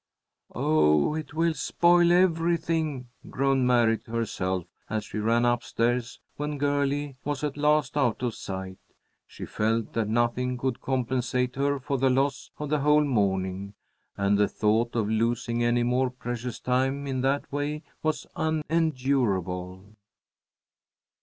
"Oh, it will spoil everything!" groaned Mary to herself, as she ran up stairs when Girlie was at last out of sight. She felt that nothing could compensate her for the loss of the whole morning, and the thought of losing any more precious time in that way was unendurable.